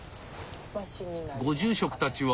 ご住職たちは。